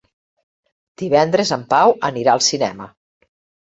Divendres en Pau anirà al cinema.